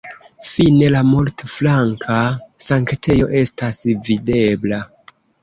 Fine la multflanka sanktejo estas videbla.